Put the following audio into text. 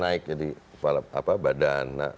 naik jadi badan